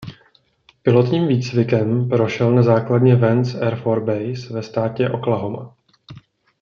Pilotním výcvikem prošel na základně Vance Air Force Base ve státě Oklahoma.